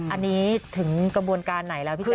อันนี้ถึงกระบวนการไหนแล้วพี่จุ